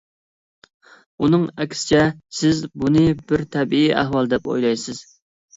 ئۇنىڭ ئەكسىچە، سىز بۇنى بىر تەبىئىي ئەھۋال، دەپ ئويلايسىز.